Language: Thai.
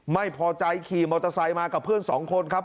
ไม่พอใจขี่มอเตอร์ไซค์มากับเพื่อนสองคนครับ